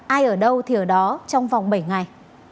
ai ở đâu thì ở đó trong vòng bảy ngày